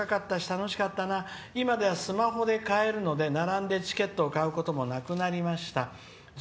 若かったし、楽しかったな今ではスマホで買えるので並んで買うこともなくなりました。